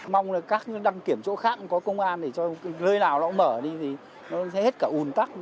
mong là các đăng kiểm chỗ khác có công an để cho nơi nào nó mở đi thì nó sẽ hết cả ùn tắc